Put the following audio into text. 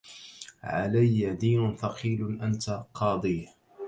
علي دين ثقيل أنت قاضيه